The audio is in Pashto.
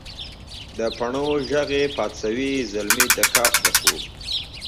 دپڼو ږغ یې پاڅوي زلمي د کهف دخوبه